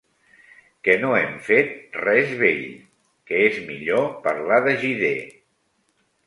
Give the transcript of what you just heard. Que no hem fet res bell, que és millor parlar de Gidé.